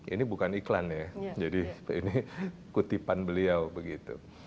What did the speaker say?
ini bukan iklan ya jadi ini kutipan beliau begitu